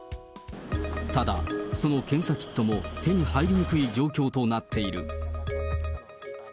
ただ、その検査キットも手に入りにくい状況となっている。